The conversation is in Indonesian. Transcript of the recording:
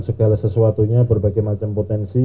segala sesuatunya berbagai macam potensi